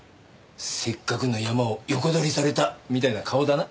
せっかくのヤマを横取りされたみたいな顔だな。